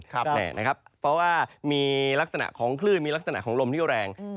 เพราะว่ามีลักษณะของคลื่นมีลักษณะของลมที่แรง